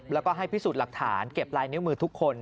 แล้วก็ให้พิสูจน์หลักฐานเก็บลายนิ้วมือทุกคน